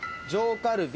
カルビ。